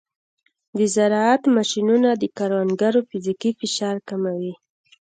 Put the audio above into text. د زراعت ماشینونه د کروندګرو فزیکي فشار کموي.